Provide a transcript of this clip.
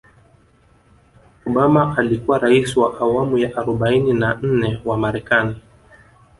obama alikuwa raisi wa awamu ya arobaini na nne wa marekani